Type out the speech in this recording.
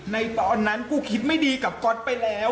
ในตอนนั้นกูคิดไม่ดีกับก๊อตไปแล้ว